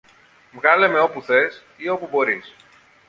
Βγάλε με όπου θες ή όπου μπορείς